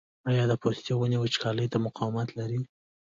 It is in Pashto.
آیا د پستې ونې وچکالۍ ته مقاومت لري؟